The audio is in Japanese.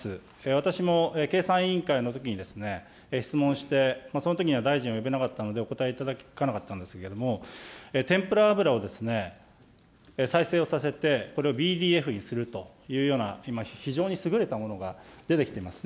私も経産委員会のときに質問して、そのときには大臣を呼べなかったので、お答えいただかなかったんですけれども、天ぷら油を再生をさせて、これをＢＤＦにするというような、今、非常に優れたものが出てきてます。